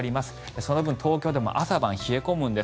その分、東京でも朝晩冷え込むんです。